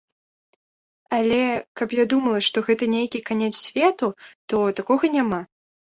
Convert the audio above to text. Але, каб я думала, што гэта нейкі канец свету, то такога няма.